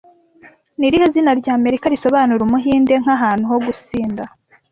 Ni irihe zina ry’Amerika risobanura Umuhinde nkahantu ho gusinda